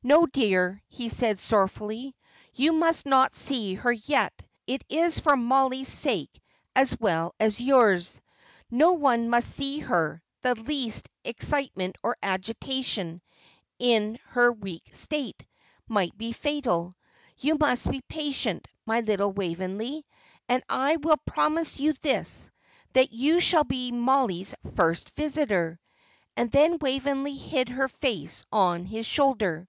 "No, dear," he said, sorrowfully, "you must not see her yet. It is for Mollie's sake as well as yours. No one must see her; the least excitement or agitation, in her weak state, might be fatal. You must be patient, my little Waveney, and I will promise you this, that you shall be Mollie's first visitor;" and then Waveney hid her face on his shoulder.